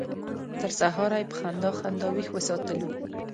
تر سهاره یې په خندا خندا ویښ وساتلو.